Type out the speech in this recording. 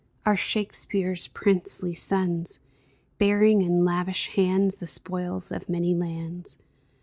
Are Shakespeare's princely sons, Bearing in lavish hands The spoil of many lands